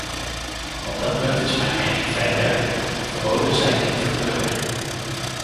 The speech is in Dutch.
Op dat punt is mijn mening vrij duidelijk: verboden zijn niet de goede weg.